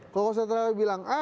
tokoh sentralnya bilang a